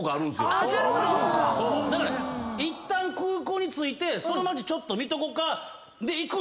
だからいったん空港に着いてちょっと見とこうかで。